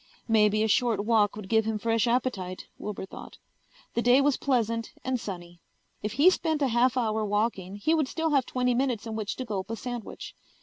Maybe a short walk would give him fresh appetite, Wilbur thought. The day was pleasant and sunny. If he spent a half hour walking he would still have twenty minutes in which to gulp a sandwich.